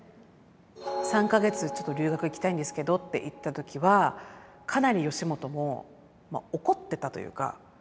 ３か月ちょっと留学行きたいんですけどって言った時はかなり吉本も怒ってたというか。